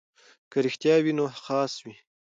که رښتیا وي نو خاص وي.